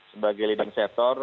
sebagai lidang setor